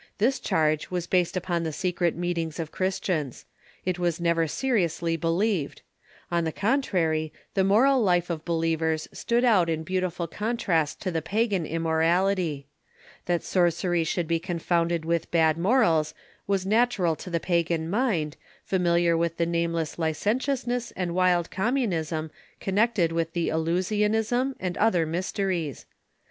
This charge was based upon the secret meetings of Christians. It was never serious ly believed. On the contrary, the moral life of believers stood out in beautiful contrast to the pagan immorality. That se crecy should be confounded with bad morals was natural to the pagan mind, familiar with the nameless licentiousness and wild communism connected with the Eleusinian and other mysteries.